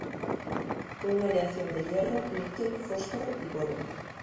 Fue una aleación de hierro, níquel, fósforo y boro.